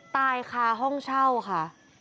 ตายคาห้องเช่าค่ะ